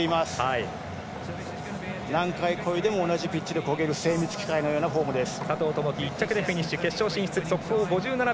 何回こいでも同じピッチでこげる精密機械のようなフォームです。